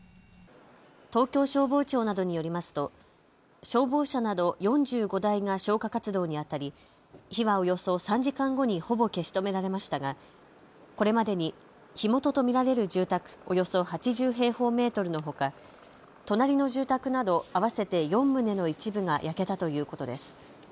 東京消防庁などによりますと消防車など４５台が消火活動にあたり火はおよそ３時間後にほぼ消し止められましたがこれまでに火元と見られる住宅およそ８０平方メートルのほか隣の住宅など合わせて４棟の一部が焼けたということです。